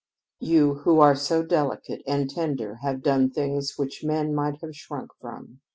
You who are so delicate and tender have done things which men might have shrunk from.